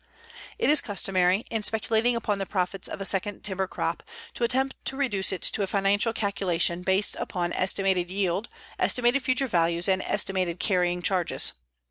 It is customary, in speculating upon the profits of a second timber crop, to attempt to reduce it to a financial calculation based upon estimated yield, estimated future values and estimated carrying charges.